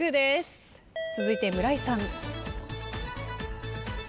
続いて村井さん。